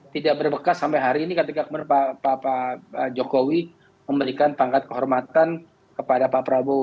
tidak berbekas sampai hari ini ketika pak jokowi memberikan pangkat kehormatan kepada pak prabowo